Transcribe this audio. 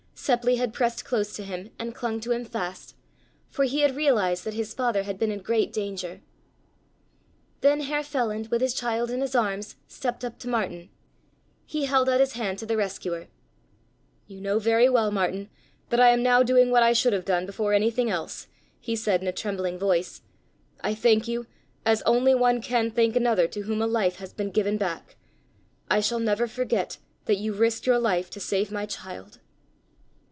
Seppli had pressed close to him and clung to him fast, for he had realized that his father had been in great danger. Then Herr Feland, with his child in his arms, stepped up to Martin. He held out his hand to the rescuer. "You know very well, Martin, that I am now doing what I should have done before anything else," he said in a trembling voice. "I thank you, as only one can thank another, to whom a life has been given back. I shall never forget that you risked your life to save my child."